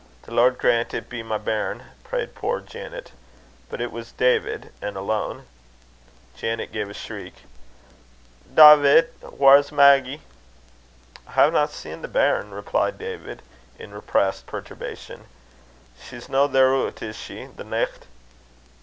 "The Lord grant it be my bairn!" prayed poor Janet. But it was David, and alone. Janet gave a shriek. "Dawvid, whaur's Maggie?" "I haena seen the bairn," replied David, in repressed perturbation. "She's no theroot, is she, the nicht?"